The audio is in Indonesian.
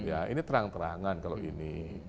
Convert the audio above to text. ya ini terang terangan kalau ini